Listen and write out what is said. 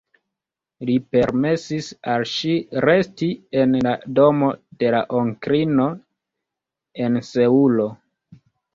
Li permesis al ŝi resti en la domo de la onklino en Seulo.